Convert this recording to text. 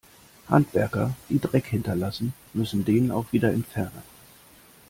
Handwerker, die Dreck hinterlassen, müssen den auch wieder entfernen.